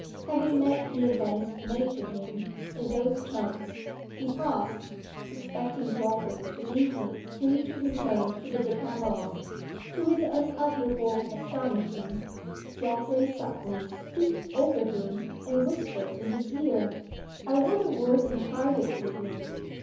Having met the advance made to him, in those terms, he paused, expecting Geoffrey to leave him free to return to the Decameron. To his unutterable astonishment, Geoffrey suddenly stooped over him, and whispered in his ear, "I want a word in private with you."